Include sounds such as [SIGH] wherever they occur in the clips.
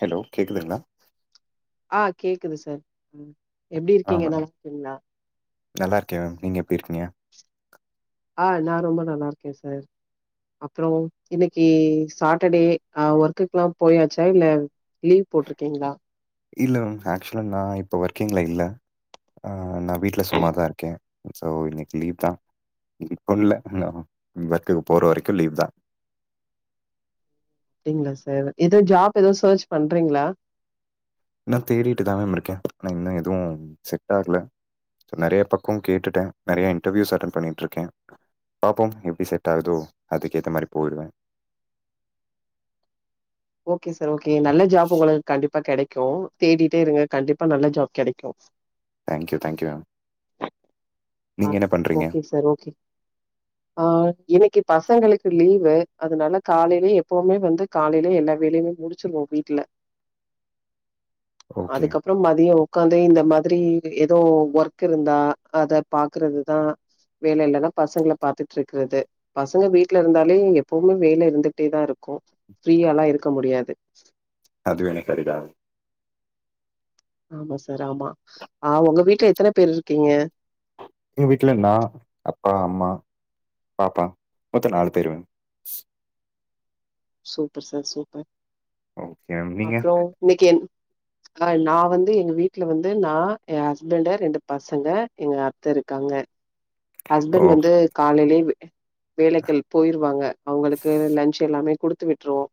Hello கேக்குதுங்களா? ஆ கேக்குது சார் ம். எப்டி ஆ இருக்கீங்க மேம். நல்லா இருக்கீங்களா? நல்லா இருக்கே மேம் நீங்க எப்டி இருக்கீங்க? ஆ நா ரொம்ப நல்லா இருக்கே சார். அப்றோ இன்னக்கி சாட்டர்டே ஆ ஒர்க்குக்கு எல்லா போயாச்சா இல்ல லீவ் போட்ருக்கீங்களா? இல்ல மேம் ஆக்சுவலா நான் இப்ப ஒர்க்கிங்ல இல்ல. ஆ நா வீட்ல சும்மாதா இருக்கே. சோ இன்னக்கி லீவ்தா இப்ப இல்ல நா ஒர்க்குக்கு போற வரைக்கு லீவ்தா. அப்டிங்ளா சார் எதோ ஜாப் எதோ சர்ச் பண்றீங்களா? இன்னா தேடிட்டுதா மேம் இருக்கே. ஆனா இன்னு எதுவு செட் ஆகல. நெறைய பக்கோ கேட்டுட்டே நெறைய இன்டர்வியூஸ் அட்டன் பண்ணிட்ருக்கே. பாப்போம் எப்டி செட் ஆகுதோ அதுக்கேத்த மாரி போயிருவே. ஓகே சார் ஓ கே நல்ல ஜாப் உங்களுக்கு கண்டிப்பா கெடைக் கு தேடிட்டே இருங்க கண்டிப்பா நல்ல ஜாப் கெடைக்கு. Thank you thank you ma'am. ஆ நீங்க என்ன பண்றீங்க? ஓகே சார் ஓகே ஆ எனக்கு இப் பசங்களுக்கு லீவு அதனால காலையிலயே எப்பவுமே வந்து காலையிலயே எல்லா வேலையுமே முடிச்சிருவோ வீட்ல. ஓகே. அதுக்கப்றம் மதியோ உக்காந்து இந்த மாதிரி எதோ ஒர்க் இருந்தா அத பாக்குறதுதா வேல இல்லனா பசங்கள பாத்துட்ருக்கிறது. பசங்க வீட்ல இருந்தாலே எப்பவுமே வேல இருந்துக்ட்டேதா இருக்கு ஃப்ரீயா எல்லா இருக்க முடியாது. அதுவே [UNINTELLIGIBLE] ஆமா சார் ஆமா. ஆ உங்க வீட்ல எத்தன பேர் இருக்கீங்க? எங்க வீட்ல நா அப்பா அம்மா பாப்பா மொத்தோ நாலு பேரு ma'am. Super sir super. Okay ma'am. நீங்க? அப்றோ இன்னைக்கி என் ஆ நா வந்து எங்க வீட்ல வந்து நா ஏன் ஹஸ்பண்டு ரெண்டு பசங்க எங்க அத்த இருக்காங்க. ஓ ஹஸ்பண்ட் வந்து காலையிலயே வெ வேலைகள் போயிருவாங்க. அவங்களுக்கு லன்ச் எல்லாமே குடு த்து விட்ருவோ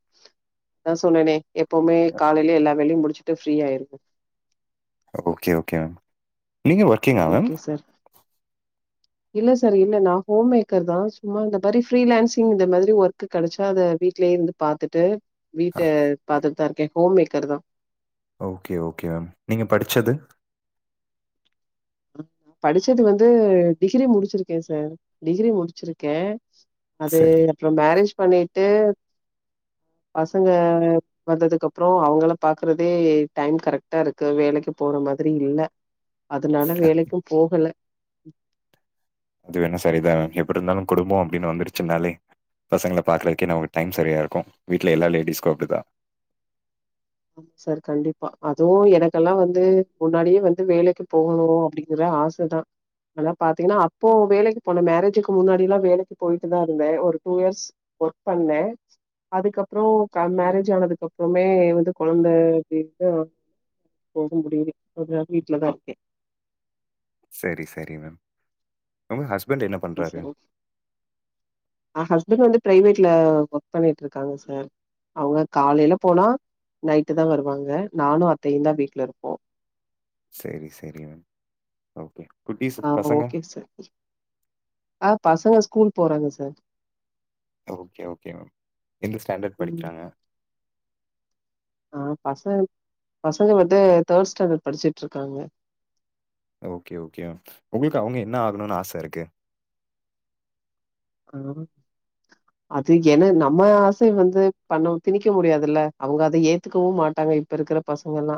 அதா சொன்னனே எப்பமே காலையிலயே எல்லா வேலையு முடிச் சுட்டு ஃப்ரீ ஆயிருவே. Okay okay ma'am. நீங்க ஒர்க்கிங்கா மேம்? ஓகே சார் இல்ல சார் இல்ல நா ஹோம் மேக்கர்தா. சும்மா இந்த மாரி ஃப்ரீலான்சிங் இந்த மாதிரி ஒர்க் கெடைச்சா அத வீட்லயே இருந்து பாத்துட்டு வீட்ட அ பாத்து தா இருக்கே ஹோம்மேக்கர்தா. ஓகே ஓகே மேம் நீங்க படிச்சது படிச்சது வந்து டிகிரி முடிச்சிருக்கேன் சார் டிகிரி முடிச்சிருக்கேன் அது சரி. அப்புறம் மேரேஜ் பண்ணிட்டு பசங்க வந்ததுக்கப்ரோ அவங்கள பாக்குறதே டைம் கரெக்ட்டா இருக்கு வேலைக்கு போற மாதிரி இல்ல னால வேலைக்கும் போகல [INAUDIBLE] அது வேணும் சரிதா மேம் எப்டி இருந்தாலும் குடும்போ அப்டின்னு வந்துருச்சுனாலே பசங்கள பாக்குறதுக்கே நமக்கு டைம் சரியா இருக்கும் வீட்ல எல்லா லேடிஸ்க்கும் அப்டிதா சார் கண்டிப்பா அதுவும் எனக்கெல்லாம் வந்து முன்னாடியே வந்து வேலைக்கு போகணும் அப்டிங்கற ஆசதான் ஆனா பாத்தீங்கன்னா அப்போ வேலைக்கு போனே மேரேஜுக்கு முன்னாடிலா வேலைக்கு போயிட்டு தான் இருந்தேன் ஒரு டூ இயர்ஸ் ஒர்க் பண்ணேன் அதுக்கப்ரோ மேரேஜ் ஆனதுக்கு அப்றமே வந்து கொழந்த [UNINTELLIGIBLE] போக முடியுது கொஞ்ச நாள் வீட்லதான் இருக்கேன் சரி சரி மேம் உங்க ஹஸ் ஓகே சார் ஓகே ஆ ஹஸ்பண்ட் வந்து ப்ரைவேட்ல ஒர்க் பண்ணிட்ருக்காங்க சார் அவங்க காலையில போனா நைட்டு தான் வருவாங்க நானு அத்தயும் தான் வீட்ல இருப்போம் சரி சரி மேம் ஓகே குட்டீஸ் பசங்க? ஓகே சார் ஆ பசங்க ஸ்கூல் போறாங்க சார் ஓகே ஓகே மேம் எந்த ஸ்டாண்டர்ட் படிக்கிறாங்க பசங் பசங்க வந்து தேர்ட் ஸ்டாண்டர்ட் படிச்சுட்ருக்காங்க ஓகே ஓகே மேம் உங்ளுக்கு அவுங்க என்ன ஆகணுன்னு ஆச இருக்கு ஹா அது என நம்ம ஆச வந்து பண்ண திணிக்க முடியாதுல்ல அவுங்க அத ஏத்துக்கவும் மாட்டாங்க இப்ப இருக்கிற பசங்க எல்லா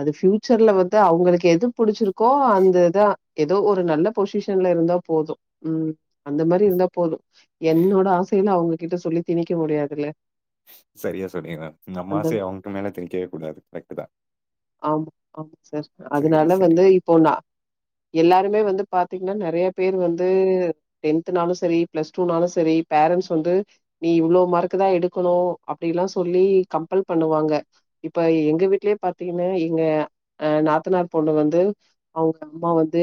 அது பியூச்சர்ல வந்து அவுங்களுக்கு எது புடிச்சிருக்கோ அந்ததா ஏதோ ஒரு நல்ல பொசிஷன்ல இருந்தா போதும் உம் அந்த மாரி இருந்தாப் என்னோட ஆச அவுங்ககிட்ட சொல்லி திணிக்க முடியாதுல்ல சரியா சொன்னீங்க மேம். நம்ம அந்த ஆசைய அவங்க மேல திணிக்கவே கூடாது. கரெக்ட்டு தான். ஆம் ஆமா சார் சரி, அதனால சரி. வந்து இப்போ நா எல்லாருமே வந்து பா த்தீங்கன்னா நறைய பேர் வந்து டென்த்னாலும் செரி ப்ளஸ்டூனாலும் செரி பேரன்ட்ஸ் வந்து நீ இவ்ளோ மார்க்தா எடுக்கணு அப்டியெல்லா சொல்லி கம்பல் பண்ணுவாங்க இப்ப எங்க வீட்லயே பாத்தீங்கன்னா எங்க அ நாத்தனார் பொண்ணு வந்து அவுங்க அம்மா வந்து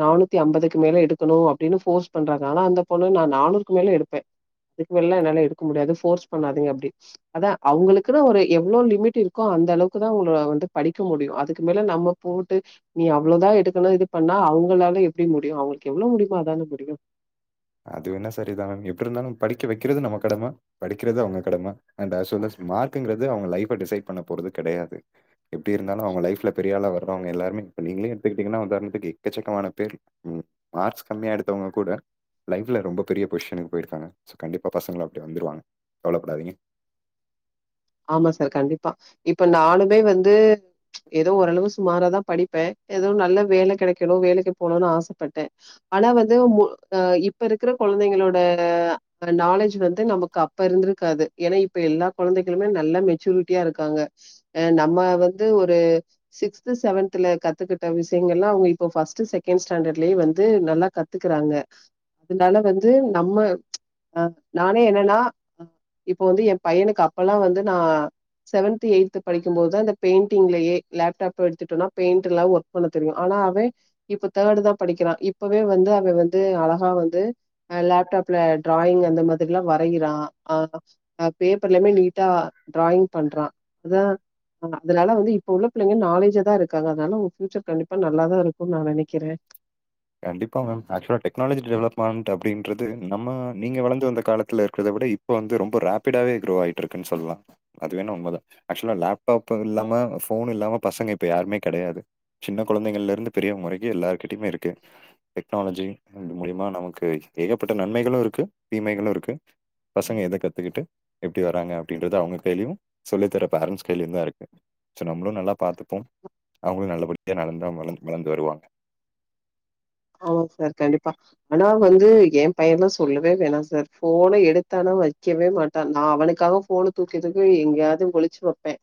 நானூத்தி அம்பதுக்கு மேல எடுக்கணும் அப்டின்னு போர்ஸ் பண்றாங்க ஆனா அந்த பொண்ணு நா நானூறுக்கு மேல எடுப்பேன் அதுக்கு மேலல்லா என்னால எடுக்க முடியாது ஃபோர்ஸ் பண்ணாதிங்க அப்டி அதான் அவுங்களுக்குன்னு ஒரு எவ்ளோ லிமிட் இருக்கோ அந்த அளவுக்குதான் உங்க வந்து படிக்க முடியும் அதுக்கு மேல நம்ம போட்டு நீ அவ்லோதா எடுக்கணும் இது பண்ணா அவுங்களால எப்டி முடியும் அவுங்களுக்கு எவ்ளோ முடியுமோ அதான முடியும் அது வேணா சரி தா மேம் எப்டி இருந்தாலும் படிக்க வெக்கிறது நம்ம கடம படிக்கிறது அவங்க கடம அண்ட் ஆஸ் வெல் ஆஸ் மார்க்குங்றது அவங்க லைஃப் அ டிசெட் பண்ண போறது கிடையாது எப்டி இருந்தாலும் அவங்க லைஃப்ல பெரியாலா வரவங்க எல்லாருமே இப்ப நீங்களே இப்டி இருக்கீங்கனா உதாரணத்துக்கு எக்கச்சக்கமான பேர் ம் மார்க்ஸ் கம்மியா எடுத்தவங்க கூட லைஃப்ல ரொம்ப பெரிய பொசிஷனுக்கு போயிருக்காங்க சோ கண்டிப்பா பசங்கல அப்டி வந்துருவாங்க கவளப்படாதீங்க ஆமா சார் கண்டிப்பா இப்ப நானுமே வந்து ஏதோ ஓரளவு சுமாராதான் படிப்பேன் ஏதோ நல்ல வேல கிடைக்கணும் வேலைக்கு போணுன்னு ஆசப்பட்டேன் ஆனா வந்து மூ அ இப்ப இருக்கற கொலந்தைங்களோட அ நாலேஜ் வந்து நமக்கு அப்ப இருந்திருக்காது ஏன்னா இப்ப எல்லா கொலந்தைக் எதிலுமே நல்லா மெச்சூரிட்டியா இருக்காங்க அ நம்ம வந்து ஒரு சிக்ஸ்த் செவன்த்தல கத்துக்கிட்ட விசயங்கலா அவுங்க இப்போ ஃபர்ஸ்ட் செகண்ட் ஸ்டாண்டர்ட்லயே வந்து நல்லா கத்துக்குறங்க அதனால வந்து நம்ம நானே என்னனா இப்போ வந்து என் பையனுக்க அப்போல்லா வந்து நா செவன்த் எய்த்து படிக்கும்போது தான் அந்த பெயிண்டிங்லயே லேப்டாப் எடுத்துட்டோம்னா பெயிண்ட் எல்லா ஒர்க் பண்ண தெரியும் ஆனா அவே இப்ப தேர்டு தான் படிக்கிறான் இப்பவே வந்து அவ வந்து அழகா வந்து லேப்டாப்ல டிராயிங் அந்த மாதிரி எல்லா வரையிறான் ஆ பேப்பர்லயுமே நீட் நீட்டா டிராயிங் பண்றான் அதான் ஹ அதனால வந்து இப்ப உள்ள புள்லைங்க நாலேஜா தா இருக்காங்க அதனால உங்க பியூச்சர் கண்டிப்பா நல்லாதா இருக்கும்னு நா நனக்கிறேன் கண்டிப்பா மேம் ஆக்சுலா டெக்னாலஜி டெவலப்மெண்ட் அப்டின்றது நம்ம நீங்க வளர்ந்து வந்த காலத்துல இருக்கதை விட இப்போ வந்து ரொம்ப ராப்பிடாவே குரோ ஆகிட்டு இருக்குன்னு சொல்லாம் அது வேணா உண்ம தா ஆக்சுவலா லேப்டாப் இல்லாம ஃபோன் இல்லாம பசங்க இப்போ யாருமே கிடையாது சின்ன குழந்தைகல்ல இருந்து பெரியோங்க வரைக்கு எல்லார்கிட்டயுமே இருக்கு டெக்னாலஜி மூலியமா நமக்கு ஏகப்பட்ட நன்மைகளும் இருக்கு தீமைகளும் இருக்கு பசங்க எத கத்துக்கிட்டு எப்டி வராங்க அப்டின்றது அவுங்க கைலியும் சொல்லி தர பேரன்ட்ஸ் கைலியும் தா இருக்கு சோ நம்மளும் நல்லா பாத்தப்போம் அவுங்களும் நல்லபடியா நந்தா வளர்ந் வளர்ந்து வருவாங்க ஆமா சார் கண்டிப்பா ஆனா வந்து என் பையன்லா சொல்லவே வேணாம் சார் போனை எடுத்தானா வைக்கவே மாட்டான் நா அவுனுக்காக போன தூக்கி-துக்கி எங்கேயாவது ஒளிச்சு வைப்பேன்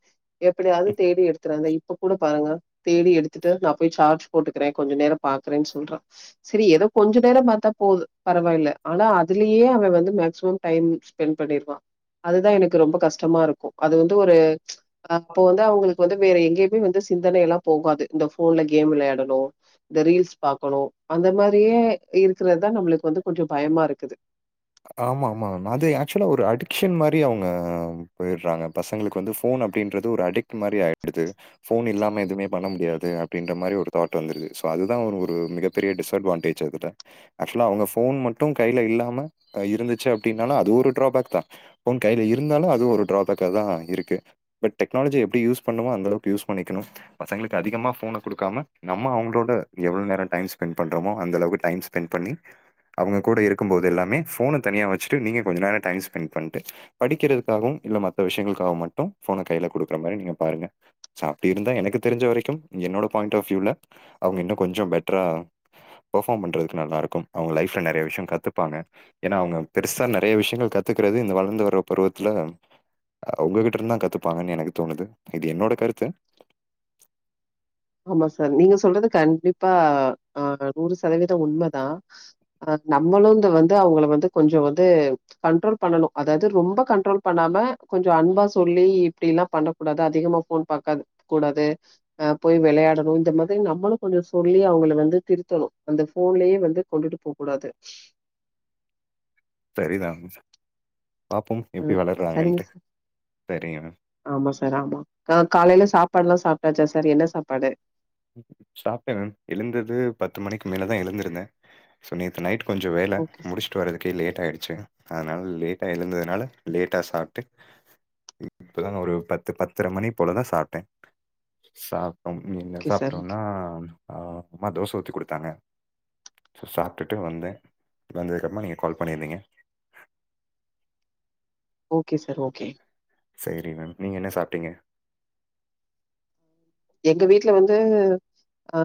எப்டியாவது தேடி எடுத்துறேன் இப்ப கூட பாருங்க தேடி எடுத்துட்டு நான் போய் சார்ஜ் போட்டுக்கிறேன் கொஞ்சம நேரம் பாக்குறேன்னு சொல்றான் செரி ஏதோ கொஞ்ச நேரம் பாத்தா போ பரவாயில்ல ஆனா அதுலயே அவ வந்து மேக்சிமம் டைம் ஸ்பெண்ட் பண்ணிருவான் அதுதான் எனக்கு ரொம்ப கஷ்டமா இருக்கும் அது வந்து ஒரு ஹ அப்போ வந்து அவுங்களுக்கு வந்து வேற எங்கேயுமே வந்து சிந்தனைய எல்லாம் போகாது இந்த போன்ல கேம் விளையாடணும் இந்த ரீல்ஸ் பாக்கணும் அந்த மாரியே இருக்கறது தா நம்மளுக்கு வந்து கொஞ்ச பயமா இருக்குது ஆமா-ஆமா அது ஆக்சுவலா ஒரு அடிக்ஷன் மாதிரி அவுங்க போயிடுறாங்க பசங்களுக்கு வந்து போன் அப்டின்றது ஒரு அடிக்ட் மாரி ஆயிடுது போன் இல்லாம எதுவுமே பண்ண முடியாது அப்டின்ற மாதிரி ஒரு தாட் வந்துடுது ஸோ அதுதான் ஒரு ஒரு மிகப்பெரிய டிஸ்அட்வான்டேஜ் அதுல ஆக்சுவலா அவுங்க போன் மட்டும் கையில இல்லாம ஹ இருந்துச்சு அப்டின்னாலும் அது ஒரு ட்ராபேக் தா போன் கையில இருந்தாலும் அது ஒரு டிராபேக் தா இருக்கு பட் டெக்னாலஜி எப்டி யூஸ் பண்ணுமோ அந்த அளவுக்கு யூஸ் பண்ணிக்கணும் பசங்களுக்கு அதிகமா போன்ன கொடுக்காம நம்ம அவுங்களோட எவ்ளவு நேரம் டைம் ஸ்பெண்ட் பண்றோமோ அந்த அளவுக்கு டைம் ஸ்பெண்ட் பண்ணி அவுங்க கூட இருக்கும் போது எல்லாமே போன்ன தனியா வச்சுட்டு நீங்க கொஞ்ச நேரம் டைம் ஸ்பெண் பண்ணிட்டு படிக்கிறதுக்காகவும் இல்ல மற்ற விசயங்களுக்காகவும் மட்டும் போன்ன கையில கொடுக்குற மாதிரி நீங்க பாருங்க சோ அப்டி இருந்தா எனக்கு தெரிஞ்ச வரைக்கும் என்னோட பாயிண்ட் ஆஃப் வியூல அவுங்க இன்னும் கொஞ்சம் பெட்டரா பர்பாம் பண்றதுக்கு நல்லா இருக்கும் அவுங்க லைப்ல நறைய விசயம் கத்துப்பாங்க ஏனா அவுங்க பெருசா நறைய விசயங்கள் கத்துக்கிறது இந்த வளர்ந்து வர பருவத்துல உங்ககிட்ட இருந்தான் கத்துப்பாங்கன்னு எனக்கு தோணுது இது என்னோட கருத்து ஆமா சார் நீங்க சொல்றது கண்டிப்பா ஹா நூறு சதவீதம் உண்மதான் ஹா நம்மளும் வந்து அவுங்கள வந்து கொஞ்ச வந்து கண்ட்ரோல் பண்ணணும் அதாவது ரொம்ப கண்ட்ரோல் பண்ணாம கொஞ்ச அன்பா சொல்லி இப்டி எல்லாம் பண்ண கூடாது அதிகமா போன் பாக்க கூடாது ஹா போய் வெளையாடணு இந்த மாதிரி நம்மளு கொஞ்ச சொல்லி அவுங்கள வந்து திருத்தணு. அந்த ஃபோன்லயே வந்து கொண்டுட்டு போக்கூடாது. செரிதா. ம் சரிங்க சார். சரிங்க மேம். ஆமா சார் ஆமா. கா காலையில சாப்பாடல்லா சாப் ட்டாச்சா சார் என்ன சாப்பாடு? ம் சாப்ட்டே மேம். எழுந்தது பத்து மணிக்கு மேலதா எழுந்திருந்தே. சோ நேத்து நைட் கொஞ்சோ வேல ஓகே சார். முடிச்சுட்டு வரதுக்கே லேட் ஆயிடுச்சு. அதனால லேட்டா எழுந்ததுனால லேட்டா சாப்ட்டு இ இப்பதா ஒரு பத்து பத்தர மணி போலதா சாப்ட்டே சா ஓகே [UNINTELLIGIBLE] சார். ஓகே. ட்டோனா ஆ அம்மா தோச ஊத்தி குடுத்தாங்க. சோ சாப்ட்டுட்டு வந்தே. வந்ததுக்கப்பறமா நீங்க கால் பண்ணியிருந்தீங்க. Okay sir okay. சேரி மேம் நீங்க என்ன சாப்ட்டீங்க? எங்க வீட்ல வந்து ஆ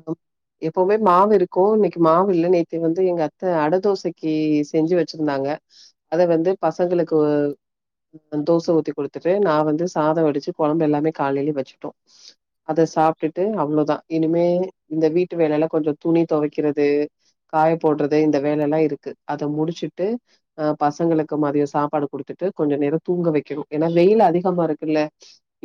எப்பவுமே மாவு இருக்கு இன்னக்கி மாவு இல்ல. நேத்து வந்து எங்க அத்த அட தோசைக்கி செஞ்சு வச்சிருந்தாங்க. அத வந்து பசங்களுக்கு தோச ஊத்தி குடுத்துட்டு நா வந்து சாதோ வடிச்சு கொழம்பு எல்லாமே காலையிலயே வச்சுட்டோ. அத சாப்ட்டுட்டு அவ்ளோதா இனிமே இந்த வீட்டு வேலைல்லா கொஞ்சோ துணி தொவைக்கிறது காயப் போடுறது இந்த வேலைல்லா இருக்கு. அத முடிச்சுட்டு அ பசங்களுக்கு மதியோ சாப்பாடு குடுத்துட்டு கொஞ்ச நேரோ தூங்க வைக்கணு. ஏன்னா வெயில் அதிகமா இருக்குல்ல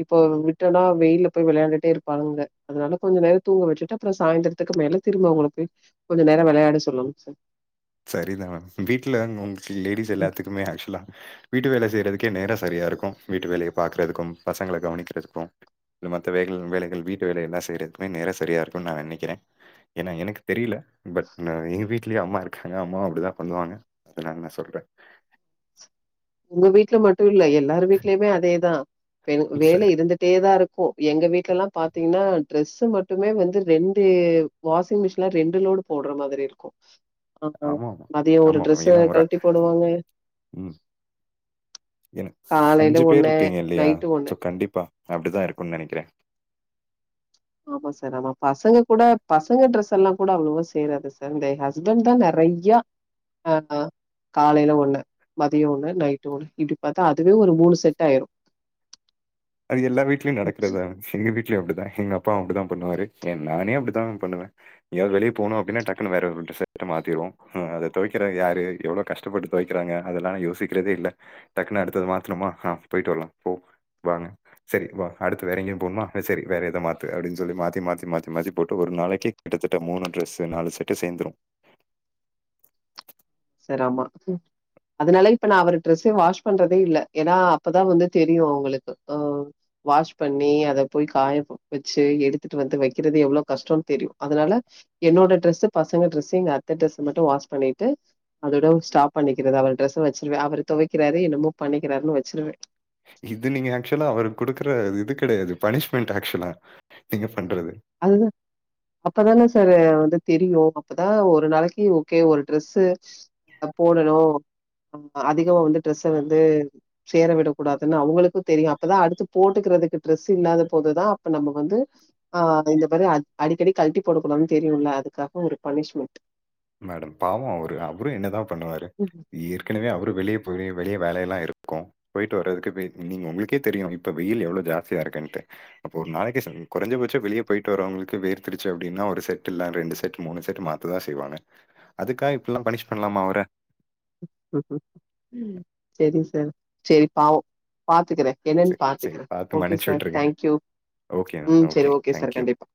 இப்போ விட்டோன்னா வெயில்ல போய் வெளையாண்டுட் டு இருப்பாங்க. அதனால கொஞ்ச நேர தூங்க வச்சுட்டு அப்றோ சாய்ந்திரத்துக்கு மேல திரும்ப அவங்கள போய் கொஞ்ச நேரோ வெளையாட சொல்லணுங் சார். சரிதா மேம் வீட்ல அங்க உங் ளுக்கு லேடிஸ் எல்லாத்துக்குமே ஆக்சுவலா வீட்டு வேல செய் யறதுக்கே நேரோ சரியா இருக்கு. வீட்டு வேலைய பாக்கறதுக்கும் பசங்கள கவனிக்கிறதுக்கு இல்ல மத்த வேகள் வேலைகள் வீட்டு வேலைல்லா செய்றதுக்கே நேரோ சரியா இருக்குன்னு நா நெனைக்கிறே ஏன்னா எனக்கு தெரியல பட் நா எங்க வீட்லயு அம்மா இரு க்காங்க அம்மா அப்டிதா பண்ணுவாங்க அதனால நா சொல்றே. உங்க வீட்ல ம ட்டு இல்ல எல்லார் வீட்லயுமே அதேதா. பெ வேல சரி. இருந்துட்டேதா இருக்கு. எங்க வீட்லல்லா பாத்தீங்கன்னா ட்ரெஸ் மட்டுமே வந்து ரெண்டு வாஷிங் மிஷின்ல ரெண்டு லோடு போடுற மாதிரி இருக்கு. ஆ ஆ ஆமாமா. மதியோ ஒரு ஆமாமா. ட்ரெஸ்ஸ ஏன்னா ஒரு கழட்டி போடுவாங்க ம். ஏன்னா காலையில அஞ்சு பேர் ஒண்ணு இருக்கீங்க இல்லையா? நைட்டு ஒண்ணு சோ கண்டிப்பா அப்டிதா இருக்குன்னு நெனைக்கிறே. ஆமா சார் ஆமா. பசங்க கூட பசங்க ட்ரெஸ் எல்லா கூட அவ்வளவா சேராது சார். இந்த ஹஸ்பண்ட்தா நெறையா ஆ ஆ காலைல ஒண்ணு மதியோ ஒண்ணு நைட்டு ஒண்ணு இப்டி பாத்தா அதுவே ஒரு மூணு செட் ஆயிரு. அது எல்லா வீட்லயு நடக்கறதுதான எங்க வீ ட்லயு அப்டிதா எங்க அப்பாவு அப்டிதா பண்ணுவாரு. ஏன் நானே அப்டிதா பண்ணுவே. எங்கயாது வெளிய போகணு அப்டின்னா டக்குனு வேற ஒரு ட்ரெஸ்ஸு எடுத்து அத மாத்திருவோ ஆ அத தொவைக்கிறது யாரு எவ்ளோ கஷ்டப்பட்டு தொவைக்கிறாங்க அதெல்லா நா யோசிக்கிறதே இல்ல. டக்குனு அடுத்தது மாத்துனமா ஆ போயிட்டு வரலா போ வாங்க சரி வா அடுத்து வேற எங்கயு போணுமா அ சரி வேற எதா மாத்து அப்டின்னு சொல்லி மாத்தி மாத்தி மாத்தி மாத்தி போட்டு ஒரு நாளைக்கி கிட்டத்தட்ட மூணு ட்ரெஸ்ஸு நாலு செட்டு சேந்துரு. சார் ஆமா. ஹும் அதனால இப்ப நா அவர் டிரஸ்ஸ வாஷ் பண்றதே இல்ல. ஏன்னா அப்பதா வந்து தெரியு அவங்களுக்கு ஆ வாஷ் பண்ணி அத போய் காய வச்சு எடுத்துட்டு வந்து வைக்கறது எவ்ளோ கஷ்டோன்னு தெரியு அதனால என்னோட டிரெஸ்ஸு பசங்க டிரெஸ்ஸு எங்க அத்த டிரெஸ் மட்டு வாஷ் பண்ணிட்டு அதோட ஸ்டாப் பண்ணிக்கிறது அவர் டிரெஸ்ஸ வச்சிருவே அவரு தொவைக்கிறாரு என்னமோ பண்ணிக்கிறாருன்னு வச்சிருவே. கெடையாது பனிஷ்மெண்ட் ஆக்சுவலா நீங்க பண்றது அதுதா அப்பதான சார் வந்து தெரியு. அப்பதா ஒரு நாளைக்கி ஓகே ஒரு ட்ரெஸ்ஸு ஆ போடணு ஆ அதிகமா வந்து ட்ரெஸ்ஸ வந்து சேர விடக் கூடாதுன்னு அவங்களுக்கு தெரியு அப்பதா அடுத்து போட்டுக்கறதுக்கு டிரெஸ் இல்லாத போதுதா அப்ப நம்ம வந்து ஆ இந்த மாரி அ அடிக்கடி கல்ட்டி போடக்கூடாதுனு தெரியுல்ல அதுக்காக ஒரு பனிஷ்மெண்ட். மேடம் பாவோ அவரு. அவரு என்னதா பண்ணுவாரு? ஏற்கனவே அவரு வெளிய எப்டியு வெளிய வேல எல்லா இருக்கு. போயிட்டு வர்றதுக்கு எப்டி நீங்க உங்களுக்கே தெரியு இப்போ வெயில் எவ்ளோ ஜாஸ்தியா இருக்குன்ட்டு. அப்போ ஒரு நாளைக்கி ச குறைஞ்சபட்சோ வெளிய போயிட்டு வரவங்களுக்கு வேர்த்திருச்சு அப்டின்னா ஒரு செட் இல்ல ரெண்டு செட் மூணு செட் மாத்ததா செய்வாங்க. அதுக்காக இப்டிலா பனிஷ் பண்ணலாமா அவர? செரி சார் செரி பாவோ பா த்துக்கறே என்னன்னு சரி, சரி. பாத்துக்கறே பார்த்து ஓகே மன்னிச்சு சார் விட்டுருங்க. Thank you okay ma'am. ம் சரி ஓகே சார் தேங்க் யூ. கண்டிப்பா.